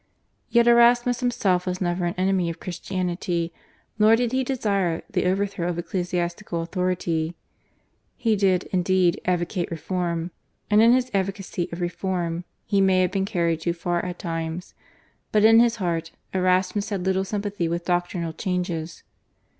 Yet Erasmus himself was never an enemy of Christianity, nor did he desire the overthrow of ecclesiastical authority. He did, indeed, advocate reform, and in his advocacy of reform he may have been carried too far at times, but in his heart Erasmus had little sympathy with doctrinal changes.